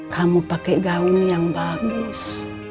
kamu pakai gaun yang bagus